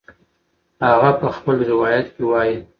هغه په خپل روایت کې وایي